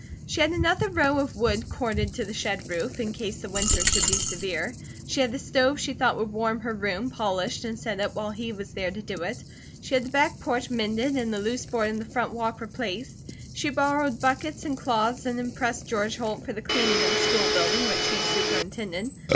She had another row of wood corded to the shed roof, in case the winter should be severe. She had the stove she thought would warm her room polished and set up while he was there to do it. She had the back porch mended and the loose board in the front walk replaced. She borrowed buckets and cloths and impressed George Holt for the cleaning of the school building which she superintended.